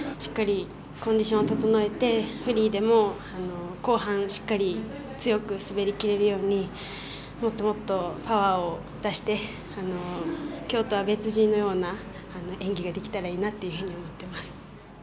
コンディション整えてフリーでも後半しっかり強く滑り切れるようにもっともっとパワーを出して今日とは別人のような演技ができたらいいなと思っています。